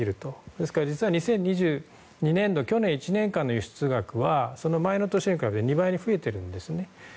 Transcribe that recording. ですから、２０２２年度去年１年間の輸出額はその前の年に比べて２倍に増えてるんですね。